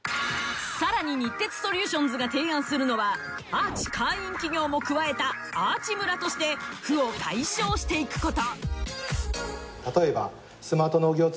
更に日鉄ソリューションズが提案するのはＡＲＣＨ会員企業も加えたＡＲＣＨ村として不を解消していくこと。